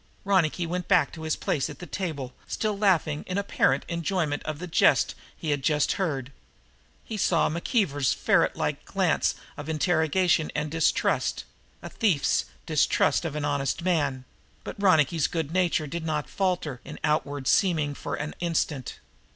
Ronicky went back to his place at the table, still laughing in apparent enjoyment of the jest he had just heard. He saw McKeever's ferretlike glance of interrogation and distrust a thief's distrust of an honest man but Ronicky's good nature did not falter in outward seeming for an instant.